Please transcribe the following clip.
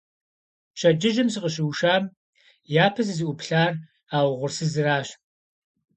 Пщэдджыжьым сыкъыщыушам япэ сызыӀуплъар а угъурсызырщ.